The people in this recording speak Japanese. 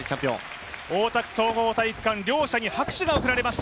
大田区総合体育館、両者に拍手が送られました。